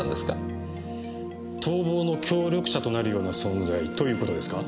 逃亡の協力者となるような存在ということですか？